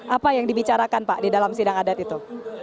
apa yang dibicarakan pak di dalam sidang adat itu